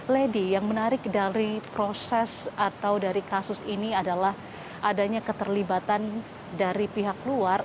lady yang menarik dari proses atau dari kasus ini adalah adanya keterlibatan dari pihak luar